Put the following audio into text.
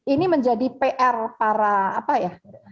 ini menjadi pr para apa ya